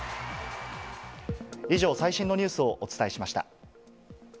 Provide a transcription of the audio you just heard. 以上、最新のニュースをお伝えしました。